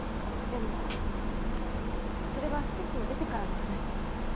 でもそれは施設を出てからの話でしょ？